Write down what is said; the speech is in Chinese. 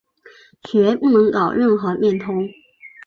决不能搞任何变通